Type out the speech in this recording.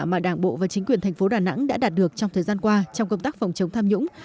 mà đảng bộ và chính quyền thành phố đà nẵng đã đạt được trong thời gian qua trong công tác phòng chống tham nhũng